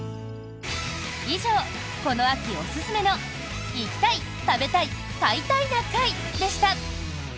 以上、この秋おすすめの「行きたい食べたい買いたいな会」でした。